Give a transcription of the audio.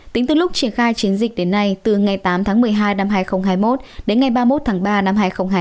tính từ lúc triển khai chiến dịch đến nay từ ngày tám tháng một mươi hai năm hai nghìn hai mươi một đến ngày ba mươi một tháng ba năm hai nghìn hai mươi hai